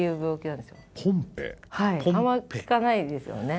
あんま聞かないですよね？